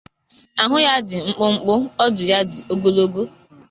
Àhụ ya dị̀ mkpụmkpụ ọdụ̀ ya dị ogologo.